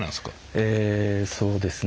えそうですね